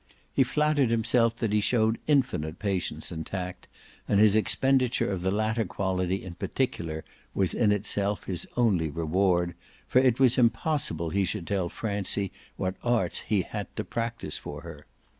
He flattered himself that he showed infinite patience and tact, and his expenditure of the latter quality in particular was in itself his only reward, for it was impossible he should tell Francie what arts he had to practise for her.